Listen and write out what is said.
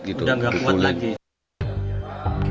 sudah tidak kuat lagi